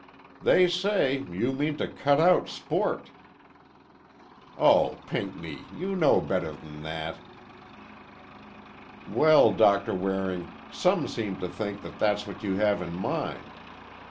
"They say, you mean to cut out sport—" "Oh, Pinckney, you know better than that!" "Well, Doctor Waring, some seem to think that's what you have in mind.